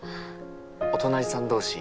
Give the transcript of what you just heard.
お隣さん同士